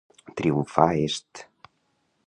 Triomfar est